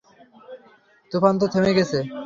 তুফান তো থেমে গেছে।